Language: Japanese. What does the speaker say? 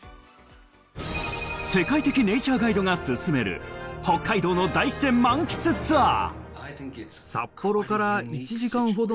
世界的ネイチャーガイドが勧める北海道の大自然満喫ツアー。